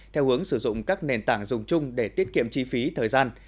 theo hướng sử dụng các nền tảng dùng chung để tiết kiệm chi phí thời gian